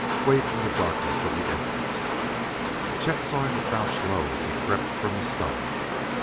Wait in the darkness of the entrance." Chet saw him crouch low as he crept from the stone.